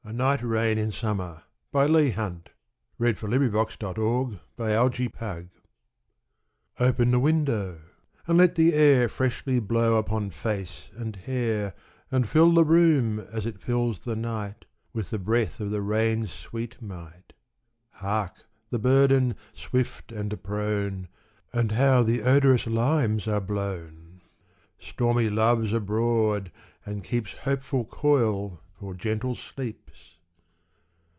Note: To "keep coil" (in lines 7 8} means to create a noisy disturbance. Nelson] OPEN the window, and let the air Freshly blow upon face and hair, And fill the room, as it fills the night, With the breath of the rain's sweet might. Hark! the burthen, swift and prone! And how the odorous limes are blown! Stormy Love's abroad, and keeps Hopeful coil for gentle sleeps.